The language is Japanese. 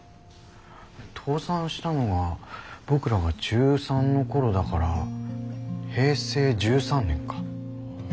倒産したのは僕らが中３の頃だから平成１３年か。